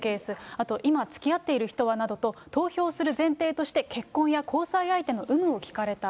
あと、今、つきあってる人は？などと投票する前提として、結婚や交際相手の有無を聞かれた。